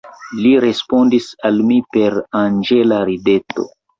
Li respondis al mi per anĝela rideto.